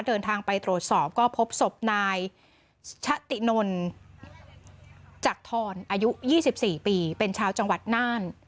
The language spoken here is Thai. เดินทางไปตรวจสอบก็พบศพนายชะตินนจักทรอายุ๒๔ปีเป็นชาวจังหวัดน่าน